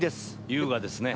優雅ですね。